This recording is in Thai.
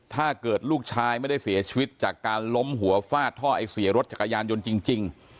ถ้าเกิดลูกชายไม่ได้เสียชีวิตจากการล้มหัวฟาดท่อไอเสียรถจักรยานยนต์จริง